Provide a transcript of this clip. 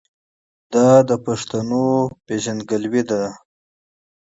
دا د پښتنو هویت دی.